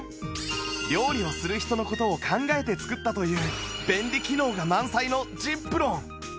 料理をする人の事を考えて作ったという便利機能が満載の ｚｉｐｒｏｎ